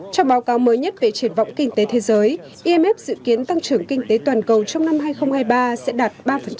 trong báo cáo mới nhất về triển vọng kinh tế thế giới imf dự kiến tăng trưởng kinh tế toàn cầu trong năm hai nghìn hai mươi ba sẽ đạt ba